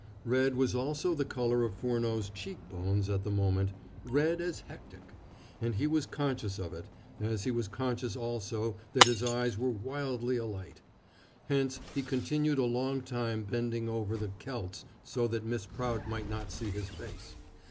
Red was also the color of Furneaux's cheek bones at the moment red as hectic; and he was conscious of it, as he was conscious also that his eyes were wildly alight. Hence, he continued a long time bending over the "celts" so that Miss Prout might not see his face.